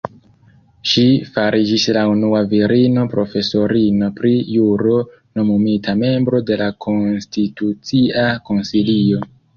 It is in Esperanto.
Ŝi fariĝis la unua virino profesorino pri juro nomumita membro de la Konstitucia Konsilio.